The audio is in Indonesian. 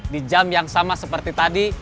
di jam yang sama seperti tadi